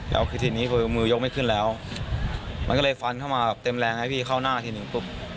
แล้วคือทีนี้คือมือยกไม่ขึ้นแล้วมันก็เลยฟันเข้ามาแบบเต็มแรงให้พี่เข้าหน้าทีหนึ่งปุ๊บ